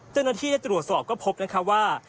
เจ้าหน้าที่ได้ตรวจสอบก็พบนะคะว่า